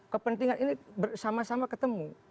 kepentingan ini bersama sama ketemu